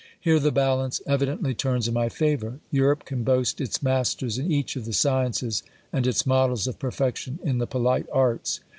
Here the balance evidently turns in my favour. Europe can boast its masters in each of the sciences, and its models of perfection in the polite arts.